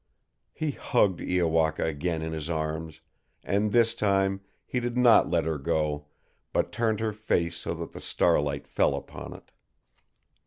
He hugged Iowaka again in his arms, and this time he did not let her go, but turned her face so that the starlight fell upon it.